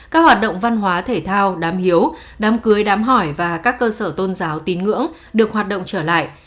các hoạt động văn hóa thể thao đám hiếu đám cưới đám hỏi và các cơ sở tôn giáo tín ngưỡng được hoạt động trở lại